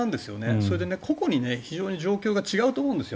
それで、個々に非常に状況が違うと思うんですよ。